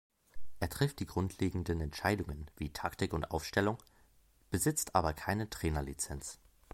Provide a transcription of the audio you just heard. Er trifft die grundlegenden Entscheidungen wie Taktik und Aufstellung, besitzt aber keine Trainerlizenz.